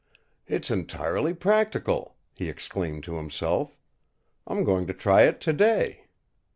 "It's entirely practical," he exclaimed to himself. "I'm going to try it to day."